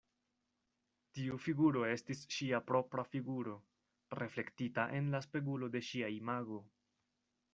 Tiu figuro estis ŝia propra figuro, reflektita en la spegulo de ŝia imago.